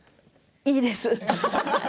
いいです。